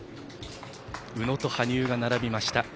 宇野と羽生が並びました。